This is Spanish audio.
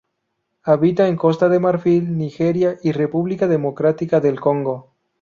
Habita en Costa de Marfil, Nigeria y República Democrática del Congo.